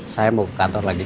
saya mau ke kantor lagi